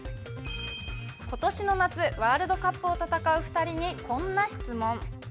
ことしの夏、ワールドカップを戦う２人にこんな質問。